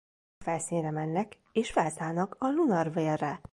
A felszínre mennek és felszállnak a Lunar Whale-ra.